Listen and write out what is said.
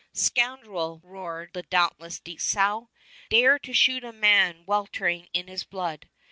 "Scoundrel!" roared the dauntless Dieskau; "dare to shoot a man weltering in his blood."